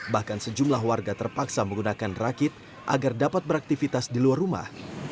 bahkan sejumlah warga terpaksa menggunakan rakit agar dapat beraktivitas di luar rumah